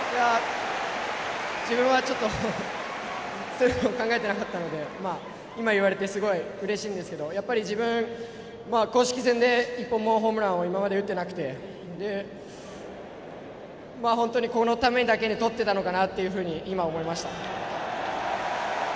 自分はちょっとそういうの考えていなかったので今、言われてすごいうれしいんですけどやっぱり自分は公式戦で１本もホームランを今まで打っていなくて本当にこのためだけにとっていたのかなというふうに今、思いました。